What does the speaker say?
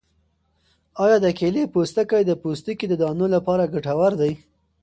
آیا د کیلې پوستکی د پوستکي د دانو لپاره ګټور دی؟